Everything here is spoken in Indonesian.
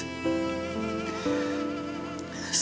saya yang menangis